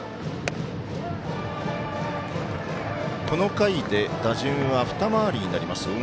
この回で打順は２回り目になります。